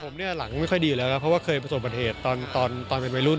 ผมเนี่ยหลังไม่ค่อยดีแล้วครับเพราะว่าเคยประสบบัติเหตุตอนเป็นวัยรุ่น